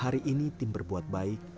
hari ini tim berbuat baik